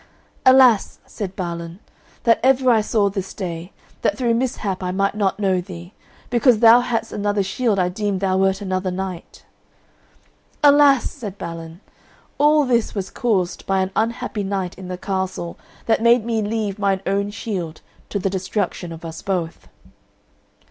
"Alas!" said Balan; "that ever I saw this day, that through mishap I might not know thee! Because thou hadst another shield I deemed thou wert another knight." "Alas!" said Balin, "all this was caused by an unhappy knight in the castle, that made me leave mine own shield, to the destruction of us both."